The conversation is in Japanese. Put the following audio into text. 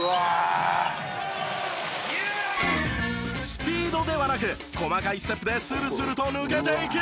スピードではなく細かいステップでスルスルと抜けていき。